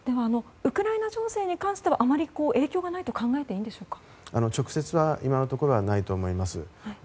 ウクライナ情勢に関してはあまり影響が今のところは直接はないと思います。